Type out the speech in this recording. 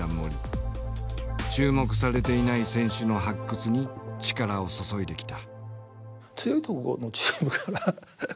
注目されていない選手の発掘に力を注いできた。